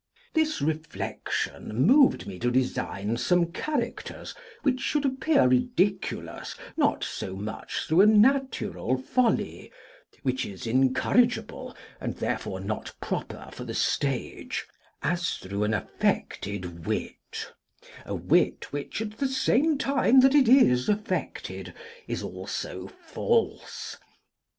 This reflection moved me to design some characters which should appear ridiculous not so much through a natural folly (which is incorrigible, and therefore not proper for the stage) as through an affected wit: a wit which, at the same time that it is affected, is also false.